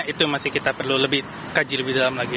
itu yang masih kita perlu lebih kaji lebih dalam lagi